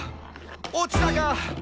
落ちたか！」